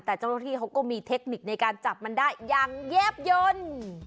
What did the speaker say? แต่เจ้าหน้าที่เขาก็มีเทคนิคในการจับมันได้อย่างแยบยนต์